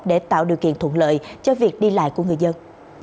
để tạo điều kiện thuận lợi cho việc đi lại của người dân